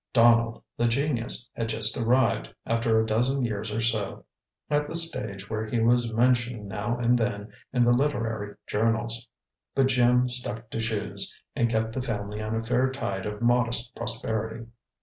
Donald, the genius, had just arrived, after a dozen years or so, at the stage where he was mentioned now and then in the literary journals. But Jim stuck to shoes and kept the family on a fair tide of modest prosperity.